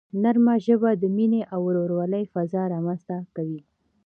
نرمه ژبه د مینې او ورورولۍ فضا رامنځته کوي.